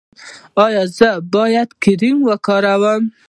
ایا زه باید کریم وکاروم؟